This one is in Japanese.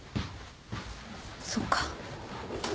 そっか。